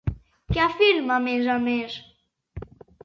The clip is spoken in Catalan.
Què afirma a més a més?